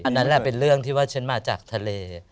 นั่นแหละเป็นเรื่องที่ว่าฉันมาจากทะเล